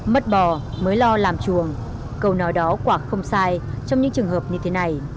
mất bò mới lo làm chuồng cầu nói đó quả không sai trong những trường hợp như thế này